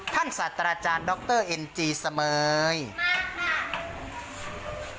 ท่านศัตราจารย์ดรนเอ็นจี้เสมยมาค่ะ